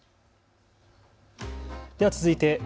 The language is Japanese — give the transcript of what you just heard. では続いて＃